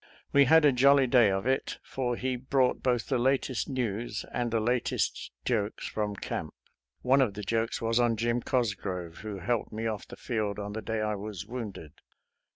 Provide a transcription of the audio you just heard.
We had a jolly day of it, for he brought both the latest news and the lat est jokes from camp. One of the jokes was on Jim Cosgrove, who helped me off the field on the day I was wounded.